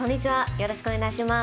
よろしくお願いします。